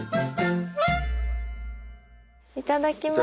いただきます。